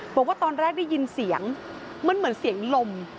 บอกว่าตอนแรกได้ยินเสียงมันเหมือนเสียงลม